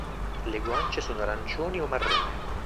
Le guance sono arancioni o marrone.